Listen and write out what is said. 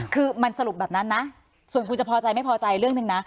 คือมันสรุปแบบนั้นนะส่วนคุณจะพอใจไม่พอใจเรื่องหนึ่งนะ